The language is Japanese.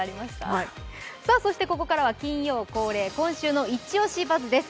そしてここからは金曜恒例「今週のイチオシバズ！」です。